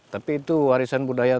tapi itu warisan budaya